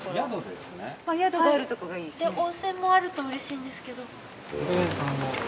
で温泉もあるとうれしいんですけど。